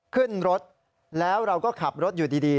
ขึ้นรถแล้วเราก็ขับรถอยู่ดี